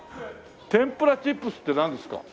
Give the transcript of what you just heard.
天ぷらチップスってなんですか？